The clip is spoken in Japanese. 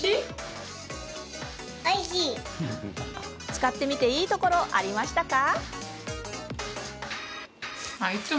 使ってみて、いいところありましたか？